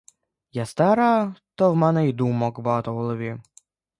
Я стара, то в мене й думок багато в голові.